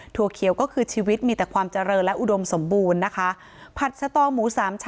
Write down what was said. ถั่วเขียวก็คือชีวิตมีแต่ความเจริญและอุดมสมบูรณ์นะคะผัดสตอหมูสามชั้น